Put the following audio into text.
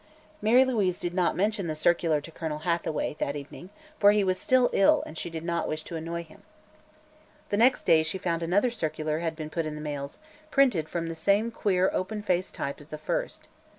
Mary Louise did not mention the circular to Colonel Hathaway that evening, for he was still ill and she did not wish to annoy him. The next day she found another circular had been put in the mails, printed from the same queer open faced type as the first.